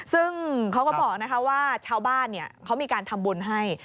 ซึ่งเขาก็บอกว่าชาวบ้านเขามีการทำบุญให้